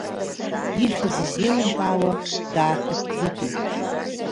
Ихьыз изеилымкаауа, дааҳәыԥӡыԥит.